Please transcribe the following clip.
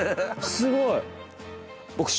すごい！